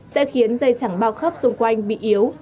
sẽ khiến dây chẳng bao khóc xung quanh bị yếu